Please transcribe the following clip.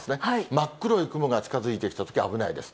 真っ黒い雲が近づいてきたとき、危ないです。